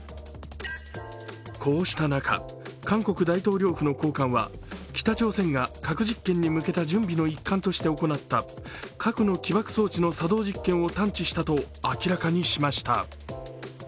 こうした中、韓国大統領府の高官は北朝鮮が核実験に向けた準備の一環として行った核の起爆装置の作動実験を探知したと明らかにしました。